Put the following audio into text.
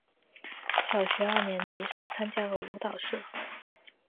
小学二年级时参加了舞蹈社。